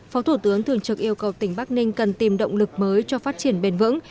phó thủ tướng thường trực yêu cầu tỉnh bắc ninh cần tìm động lực mới cho phát triển bền vững